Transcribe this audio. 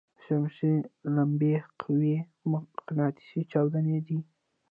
د شمسي لمبې قوي مقناطیسي چاودنې دي.